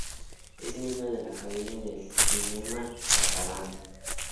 Es miembro de la Academia del Cinema Catalán.